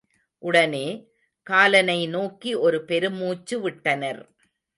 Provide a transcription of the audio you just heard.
உடனே, காலனை நோக்கி ஒரு பெரு மூச்சு விட்டனர்.